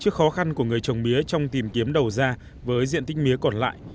trước khó khăn của người trồng mía trong tìm kiếm đầu ra với diện tích mía còn lại